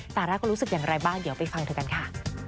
ตอนแรกก็รู้สึกอย่างไรบ้างเดี๋ยวไปฟังเธอกันค่ะ